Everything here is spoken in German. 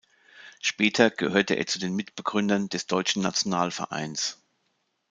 Später gehörte er zu den Mitbegründern des Deutschen Nationalvereins.